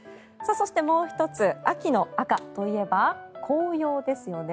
そして、もう１つ秋の赤といえば紅葉ですよね。